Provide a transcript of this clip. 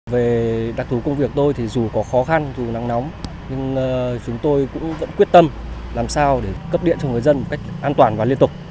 về đặc thú công việc tôi thì dù có khó khăn dù nắng nóng nhưng chúng tôi cũng vẫn quyết tâm làm sao để cấp điện cho người dân một cách an toàn và liên tục